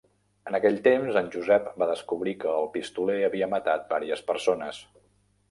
En aquell temps, en Josep va descobrir que el pistoler havia matat varies persones.